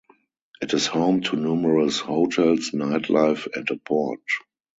It is home to numerous hotels, nightlife and a port.